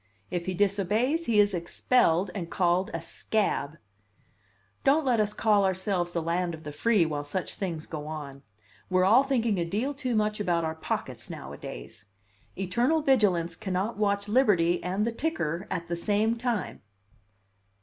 If he disobeys, he is expelled and called a 'scab.' Don't let us call ourselves the land of the free while such things go on. We're all thinking a deal too much about our pockets nowadays. Eternal vigilance cannot watch liberty and the ticker at the same time.